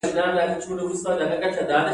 سهامي شرکت د پانګوال او کارګر اختلاف له منځه وړي